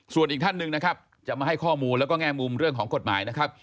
ส่วนอีกท่านหนึ่งนะครับจะมาให้ข้อมูลแล้วก็แง่มุมเรื่องของกฎหมายนะครับ